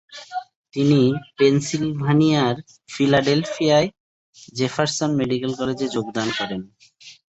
তিনি পেনসিলভানিয়ার ফিলাডেলফিয়ায় Jefferson medical কলেজে যোগদান করেন।